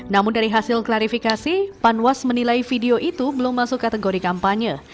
namun dari hasil klarifikasi panwas menilai video itu belum masuk kategori kampanye